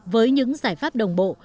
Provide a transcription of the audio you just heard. với những giải pháp đồng bộ